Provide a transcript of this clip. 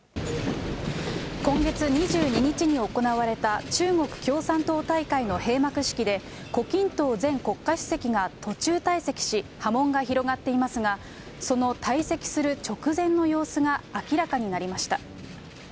今月２２日に行われた中国共産党大会の閉幕式で、胡錦濤前国家主席が途中退席し、波紋が広がっていますが、その退席する直前の様子が明らかになりました。